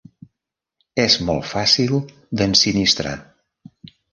És molt fàcil d'ensinistrar.